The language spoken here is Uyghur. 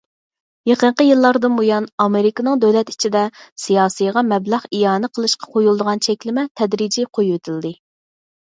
يېقىنقى يىللاردىن بۇيان، ئامېرىكىنىڭ دۆلەت ئىچىدە سىياسىيغا مەبلەغ ئىئانە قىلىشقا قويۇلىدىغان چەكلىمە تەدرىجىي قويۇۋېتىلدى.